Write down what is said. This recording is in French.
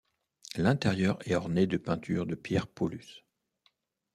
L’intérieur est orné de peintures de Pierre Paulus.